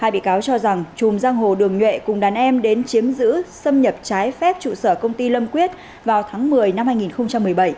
hai bị cáo cho rằng chùm giang hồ đường nhuệ cùng đàn em đến chiếm giữ xâm nhập trái phép trụ sở công ty lâm quyết vào tháng một mươi năm hai nghìn một mươi bảy